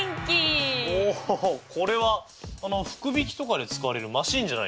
おおこれは福引きとかで使われるマシーンじゃないですか。